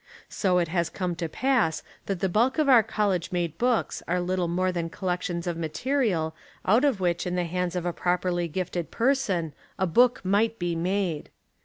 So it has come to pass that the bulk of our college made books are little 85 Essays and Literary Studies more than collections of material out of which in the hands of a properly gifted person a book might be made.